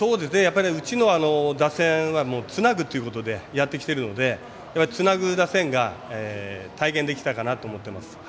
うちの打線はつなぐということでやってきているのでつなぐ打線が体現できたかなと思っています。